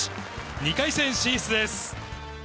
２回戦進出です。